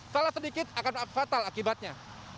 salah sedikit akan fatal akibatnya